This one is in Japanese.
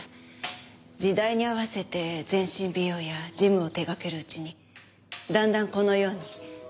時代に合わせて全身美容やジムを手掛けるうちにだんだんこのように。